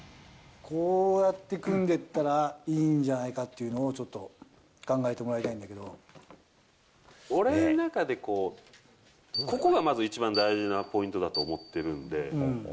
こうやって組んでったらいいんじゃないかっていうのを、ちょっと俺の中でこう、ここがまず一番大事なポイントだと思ってるんで。